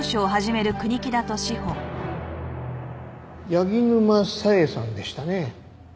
柳沼紗英さんでしたね。